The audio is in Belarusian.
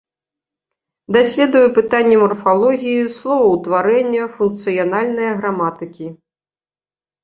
Даследуе пытанні марфалогіі, словаўтварэння, функцыянальная граматыкі.